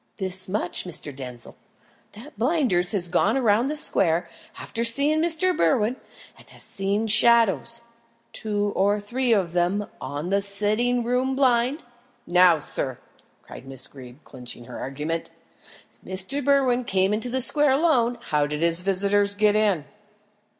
"This much, Mr. Denzil, that Blinders has gone round the square, after seeing Mr. Berwin, and has seen shadows two or three of them on the sitting room blind. Now, sir," cried Miss Greeb, clinching her argument, "if Mr. Berwin came into the square alone, how did his visitors get in?"